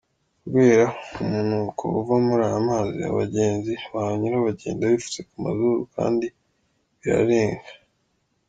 Kubera umunuko uva muri aya mazi, abagenzi bahanyura bagenda bipfutse ku mazuru, kandi birarenga.